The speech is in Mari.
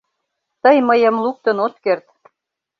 Тый мыйым луктын от керт.